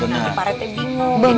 nanti pak rete bingung